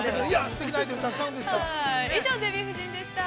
すてきなアイテムたくさんでした。